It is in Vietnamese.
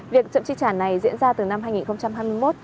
việc chậm chi trả này diễn ra từ năm hai nghìn hai mươi một